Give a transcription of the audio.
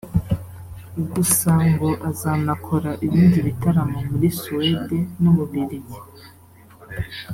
gusa ngo azanakora ibindi bitaramo muri Suwede n’ u Bubiligi